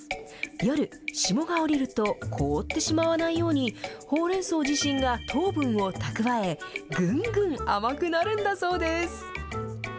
夜、霜が降りると、凍ってしまわないように、ほうれんそう自身が糖分を蓄え、ぐんぐん甘くなるんだそうです。